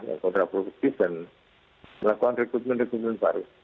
dan melakukan rekrutmen rekrutmen baru